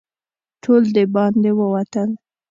ټول د باندې ووتل.